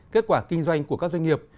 kết quả kinh doanh của các doanh nghiệp